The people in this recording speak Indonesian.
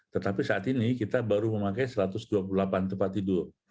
tetapi saat ini kita baru memakai satu ratus dua puluh delapan tempat tidur